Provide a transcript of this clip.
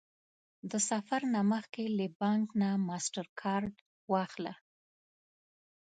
د سفر نه مخکې له بانک نه ماسټرکارډ واخله